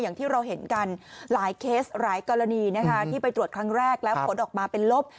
อย่างที่เราเห็นกันหลายเคสหลายกรณีนะคะที่ไปตรวจครั้งแรกแล้วผลออกมาเป็นลบ